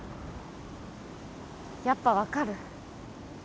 やっぱ分かる？